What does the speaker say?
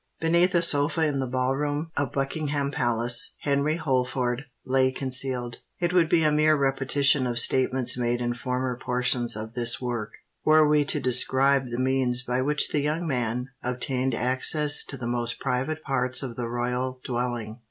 Beneath a sofa in the Ball Room of Buckingham Palace, Henry Holford lay concealed. It would be a mere repetition of statements made in former portions of this work, were we to describe the means by which the young man obtained access to the most private parts of the royal dwelling.